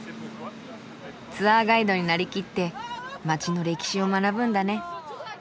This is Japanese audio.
ツアーガイドになりきって街の歴史を学ぶんだね。